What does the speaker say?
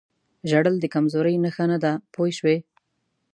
ژړل د کمزورۍ نښه نه ده پوه شوې!.